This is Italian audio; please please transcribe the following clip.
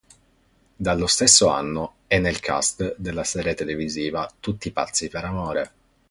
Dallo stesso anno è nel cast della serie televisiva "Tutti pazzi per amore".